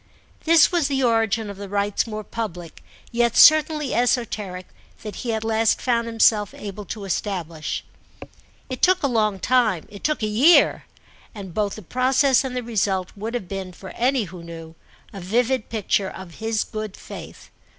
This was the origin of the rites more public, yet certainly esoteric, that he at last found himself able to establish. It took a long time, it took a year, and both the process and the result would have been—for any who knew—a vivid picture of his good faith.